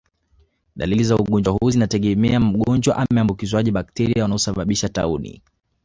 Dalili za ugonjwa huu zinategemea mgonjwa ameambukizwaje bakteria wanaosababisha tauni